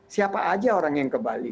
siapa aja orang yang ke bali